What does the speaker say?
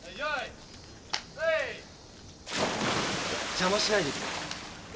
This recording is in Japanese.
邪魔しないでくれよ。